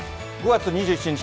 ５月２７日